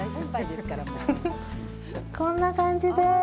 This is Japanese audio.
こんな感じです。